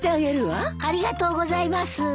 ありがとうございます。